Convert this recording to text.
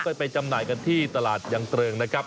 ไปจำหน่ายกันที่ตลาดยังเริงนะครับ